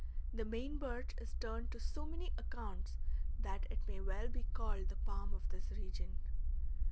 The Maine birch is turned to so many accounts that it may well be called the palm of this region.